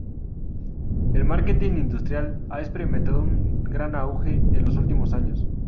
El marketing industrial ha experimentado un gran auge en los últimos años.